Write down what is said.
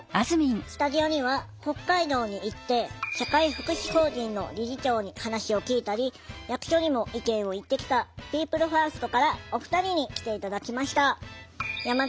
スタジオには北海道に行って社会福祉法人の理事長に話を聞いたり役所にも意見を言ってきたピープルファーストからお二人に来て頂きました。